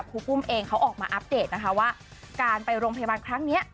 รูปุ้มเองเขาออกมาอัปเดตนะคะว่าการไปโรงพยาบาลครั้งนี้